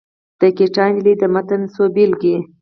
د ګیتا نجلي د متن څو بېلګې.